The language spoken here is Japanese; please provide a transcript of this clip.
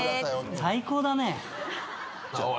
最高だね。